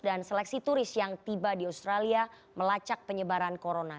seleksi turis yang tiba di australia melacak penyebaran corona